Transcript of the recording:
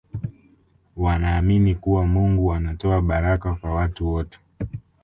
wanaamini kuwa mungu anatoa baraka kwa watu wote